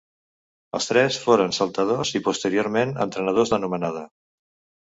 Els tres foren saltadors i posteriorment entrenadors d'anomenada.